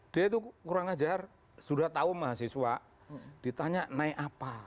dia itu kurang ajar sudah tahu mahasiswa ditanya naik apa